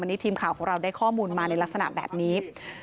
วันนี้ทีมข่าวของเราได้ข้อมูลมาในลักษณะแบบนี้